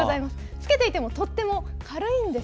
着けていてもとっても軽いんです。